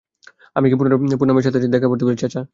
আমি কী পুনামের সাথে দেখা করতে পারি, চাচা?